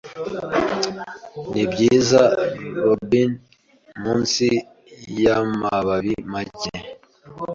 Nibyiza robin Munsi yamababi Cyane